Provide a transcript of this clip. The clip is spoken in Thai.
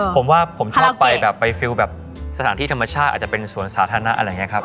ผมว่าผมชอบไปแบบไปฟิลแบบสถานที่ธรรมชาติอาจจะเป็นสวนสาธารณะอะไรอย่างนี้ครับ